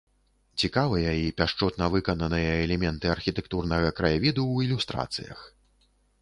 Цікавыя і пяшчотна выкананыя элементы архітэктурнага краявіду ў ілюстрацыях.